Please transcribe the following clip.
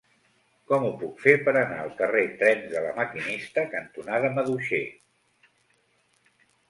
Com ho puc fer per anar al carrer Trens de La Maquinista cantonada Maduixer?